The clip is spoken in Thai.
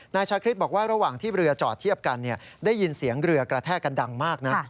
นายชาคริสบอกว่าระหว่างที่เรือจอดเทียบกันได้ยินเสียงเรือกระแทกกันดังมากนะ